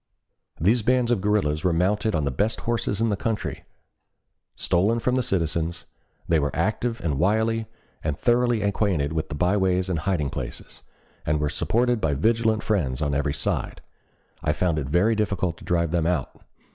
"These bands of guerrillas were mounted on the best horses in the country, stolen from the citizens; they were active and wily, and thoroughly acquainted with the byways and hiding places; and were supported by vigilant friends on every side. I found it very difficult to drive them out.